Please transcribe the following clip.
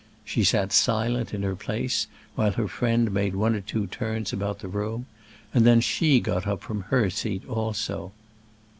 She sat silent in her place, while her friend made one or two turns about the room; and then she got up from her seat also.